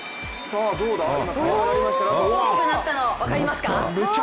大きくなったの分かりますか？